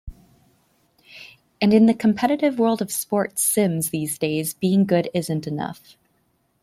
And in the competitive world of sports sims these days, being good isn't enough.